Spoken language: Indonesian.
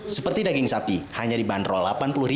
seperti daging sapi hanya dibanderol rp delapan puluh